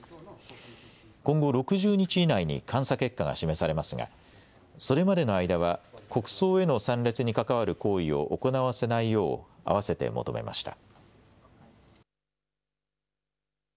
今後、６０日以内に監査結果が示されますがそれまでの間は国葬への参列に関わる行為を行わせないようあわせて求めました。